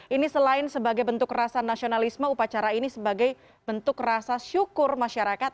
ini selain sebagai bentuk rasa nasionalisme upacara ini sebagai bentuk rasa syukur masyarakat